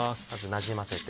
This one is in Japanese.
なじませて。